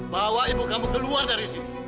bawa ibu kamu keluar dari sini